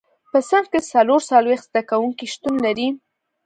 په صنف کې څلور څلوېښت زده کوونکي شتون لري.